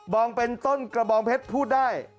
องเป็นต้นกระบองเพชรพูดได้